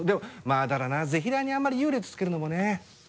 まぁだからなぜひらーにあんまり優劣つけるのもね。